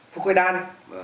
phú khuê đan